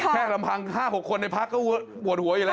ลำพัง๕๖คนในพักก็ปวดหัวอยู่แล้ว